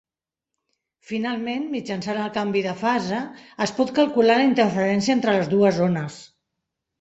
Finalment, mitjançant el canvi de fase, es pot calcular la interferència entre les dues ones.